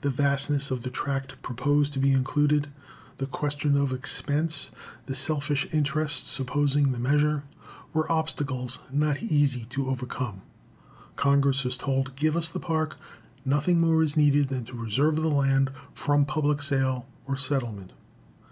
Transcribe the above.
The vastness of the tract proposed to be included, the question of expense, the selfish interests opposing the measure, were obstacles not easy to overcome. Congress was told, "Give us the Park; nothing more is needed than to reserve the land from public sale or settlement."